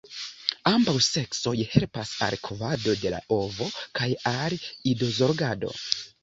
Ambaŭ seksoj helpas al kovado de la ovo, kaj al idozorgado.